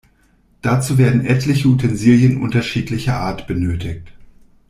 Dazu werden etliche Utensilien unterschiedlicher Art benötigt.